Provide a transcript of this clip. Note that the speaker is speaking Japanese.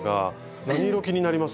何色気になります？